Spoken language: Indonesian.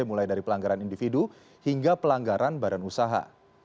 mulai dari pelanggaran individu hingga pelanggaran badan usaha